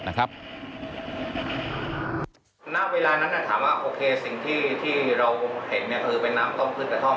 นางเวลานั้นถามว่าสิ่งที่เราเห็นคือเป็นน้ำต้มกรร์ธ่อม